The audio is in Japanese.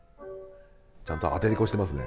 ちゃんとアテレコしてますね。